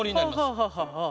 はあはあはあはあ。